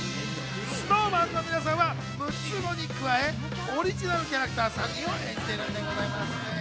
ＳｎｏｗＭａｎの皆さんは、六つ子に加え、オリジナルキャラクター３人を演じています。